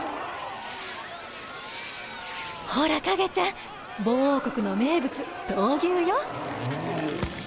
ほらカゲちゃんボー王国の名物闘牛よ。